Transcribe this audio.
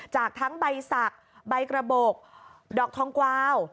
จากทั้งใบสักใบกระบบดอกทองกวาว